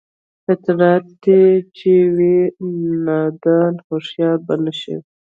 فطرتي چې وي نادان هوښيار به نشي